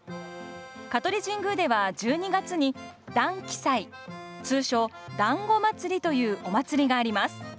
香取神宮では１２月に団碁祭通称、団子祭というお祭りがあります。